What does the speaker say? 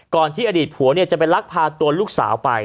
ที่อดีตผัวจะไปลักพาตัวลูกสาวไป